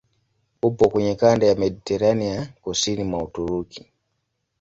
Upo kwenye kanda ya Mediteranea kusini mwa Uturuki.